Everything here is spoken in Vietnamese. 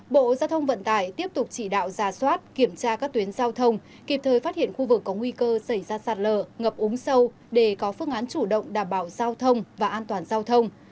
bộ giao thông vận tải tiếp tục chỉ đạo giả soát kiểm tra các tuyến giao thông kịp thời phát hiện khu vực có nguy cơ xảy ra sạt lở ngập úng sâu để có phương án chủ động đảm bảo giao thông và an toàn giao thông